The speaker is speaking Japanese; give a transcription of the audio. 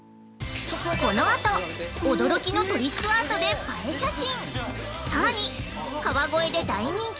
◆このあと、驚きのトリックアートで映え写真。